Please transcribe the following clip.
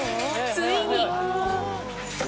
ついに。